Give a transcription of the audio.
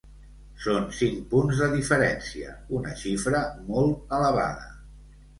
Són cinc punts de diferència, una xifra molt elevada.